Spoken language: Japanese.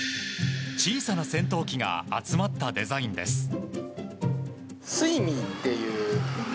小さな戦闘機が集まったデザインです。